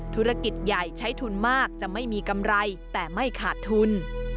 ธุรกิจใหญ่ใช้ทุนมากจะไม่มีกำไรแต่ไม่ขาดทุน